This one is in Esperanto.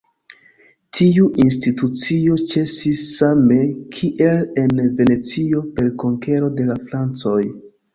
Tiu institucio ĉesis same kiel en Venecio, per konkero de la francoj.